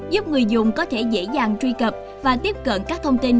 giúp người dùng có thể dễ dàng truy cập và tiếp cận các thông tin